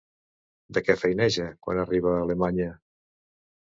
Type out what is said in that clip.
De què feineja quan arriba a Alemanya?